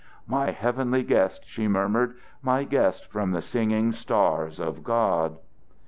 "My heavenly guest!" she murmured. "My guest from the singing stars of God!"